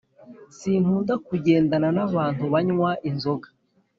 sinkunda kugendana nabantu banywa inzoga